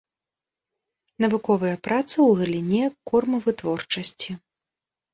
Навуковыя працы ў галіне кормавытворчасці.